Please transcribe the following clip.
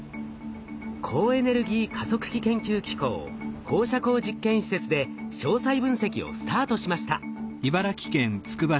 高エネルギー加速器研究機構放射光実験施設で詳細分析をスタートしました。